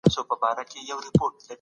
د ناور سره ياري شروع كـــړه!